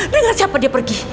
dengar siapa dia pergi